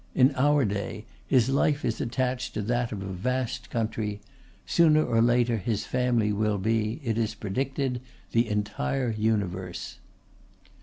In our day, his life is attached to that of a vast country; sooner or later his family will be, it is predicted, the entire universe.